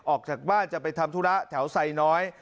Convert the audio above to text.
ออกจากบ้านจะไปทำธุระแถวไซน้อย